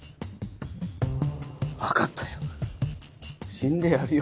わかったよ死んでやるよ。